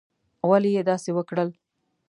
ولي یې داسي وکړل؟